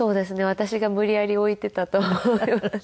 私が無理やり置いていたと思います。